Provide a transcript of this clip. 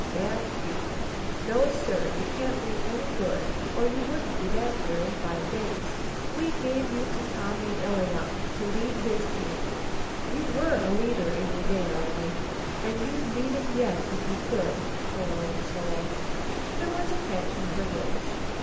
Bad feet. No, sir, you can't be any good, or you wouldn't be back here in five days. We gave you to Tommy Illayok to lead his team. You were a leader in your day all right, and you'd lead 'em yet if you could, poor old soul!" There was a catch in her voice.